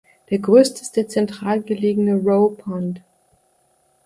Der größte ist der zentral gelegene "Rowe Pond".